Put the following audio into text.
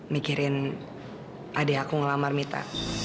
mikirin adik aku ngelamar mita